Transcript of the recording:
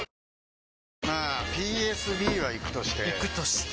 まあＰＳＢはイクとしてイクとして？